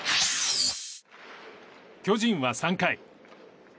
巨人は３回。